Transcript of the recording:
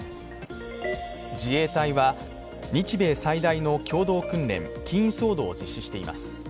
自衛隊は日米最大の共同訓練、キーン・ソードを実施しています。